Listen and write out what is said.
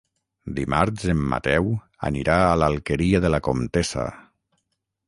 Dimarts en Mateu anirà a l'Alqueria de la Comtessa.